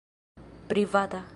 privata